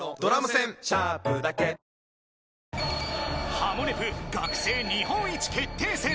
［『ハモネプ』学生日本一決定戦］